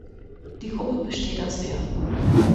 Die Gruppe besteht aus der